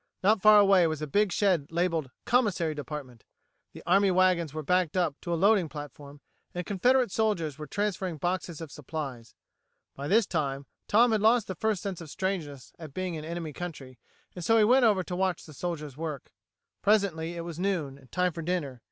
Not far away was a big shed labeled Commissary Department. The army wagons were backed up to a loading platform, and Confederate soldiers were busy transferring boxes of supplies. By this time Tom had lost the first sense of strangeness at being in the enemy country, and so he went over to watch the soldiers work. Presently it was noon, and time for dinner.